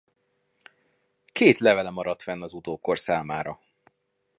Két levele maradt fenn az utókor számára.